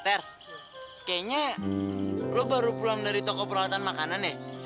teh kayaknya lo baru pulang dari toko peralatan makanan ya